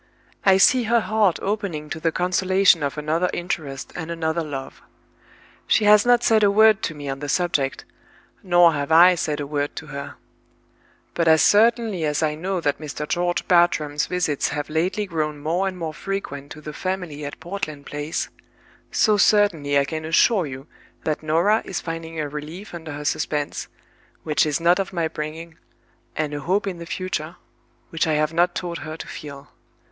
I see her heart opening to the consolation of another interest and another love. She has not said a word to me on the subject, nor have I said a word to her. But as certainly as I know that Mr. George Bartram's visits have lately grown more and more frequent to the family at Portland Place—so certainly I can assure you that Norah is finding a relief under her suspense, which is not of my bringing, and a hope in the future, which I have not taught her to feel.